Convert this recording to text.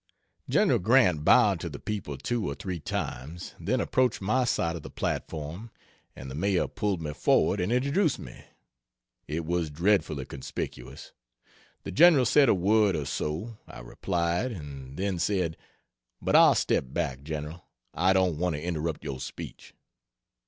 Gen. Grant bowed to the people two or three times, then approached my side of the platform and the mayor pulled me forward and introduced me. It was dreadfully conspicuous. The General said a word or so I replied, and then said, "But I'll step back, General, I don't want to interrupt your speech."